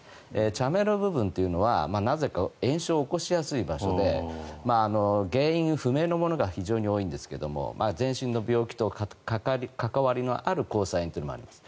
茶目の部分というのはなぜか炎症を起こしやすい場所で原因不明のものが非常に多いんですが全身の病気と関わりのある虹彩炎もあります。